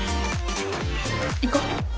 行こう。